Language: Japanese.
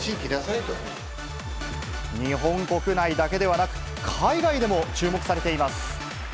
日本国内だけではなく、海外でも注目されています。